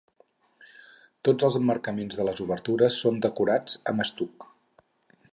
Tots els emmarcaments de les obertures són decorats amb estuc.